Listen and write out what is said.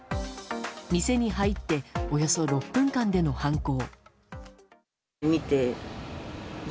店に入っておよそ６分間での犯行。